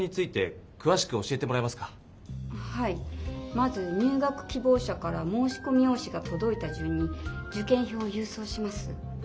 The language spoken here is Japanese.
まず入学きぼう者から申しこみ用紙がとどいたじゅんに受験票をゆう送します。